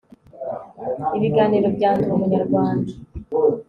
Ibiganiro bya Ndi Umunyarwanda